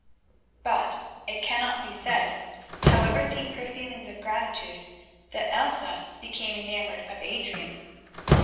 But it cannot be said, however deep her feelings of gratitude, that Elsa became enamoured of Adrian.